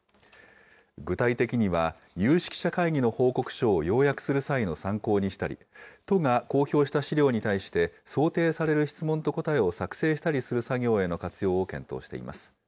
具体的には、有識者会議の報告書を要約する際の参考にしたり、都が公表した資料に対して想定される質問と答えを作成したりする作業への活用を検討しています。